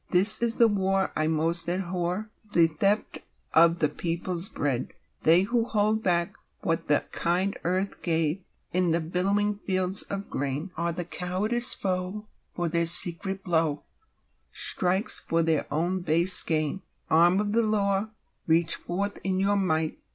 This is the war I most abhor — The theft of the people's bread ! They who hold back what the kind Earth gave In the billowing fields of grain, Are the cowardliest foe — for their secret blow Strikes for their own base gain. 132 FIFES AND DRUMS 133 Arm of the law, reach forth in your might.